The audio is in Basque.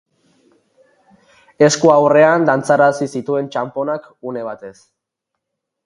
Esku ahurrean dantzarazi zituen txanponak une batez.